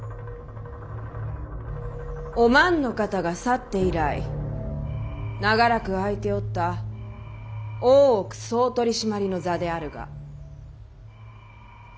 お万の方が去って以来長らく空いておった大奥総取締の座であるがこ